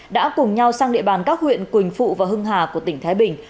đã cùng nhau sang địa bàn các huyện quỳnh phụ và hưng hà của tỉnh thái bình